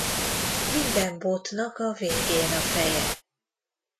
Minden botnak a végén a feje.